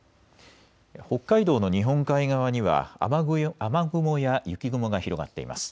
北海道の日本海側には雨雲や雪雲が広がっています。